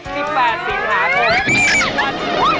๑๘สิงหาคมคือวัน